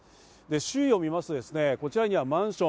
周囲を見ますと、こちらにはマンション。